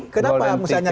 kenapa misalnya ke